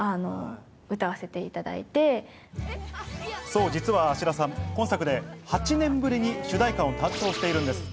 そう、実は芦田さん、今作で８年ぶりに主題歌を担当しているんです。